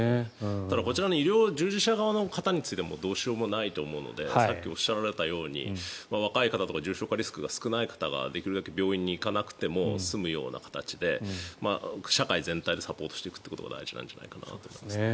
ただ、こちらの医療従事者の方についてもどうしようもないと思うのでさっきおっしゃられたように若い方とか重症化リスクが低い方ができるだけ病院に行かなくても済むような形で社会全体でサポートしていくことが大事なんじゃないかと思いますね。